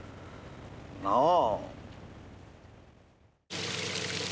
なあ。